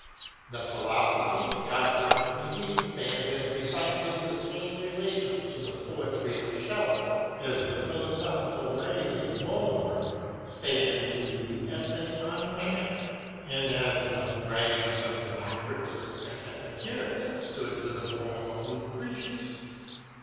The philosophy of Godwin, indeed, stands in precisely the same relation to the poetry of Shelley as the philosophical writings of Bolingbroke stand to the *' Essay on Man," and as the writings of Democritus and Epicurus stood to the poem of Lucretius.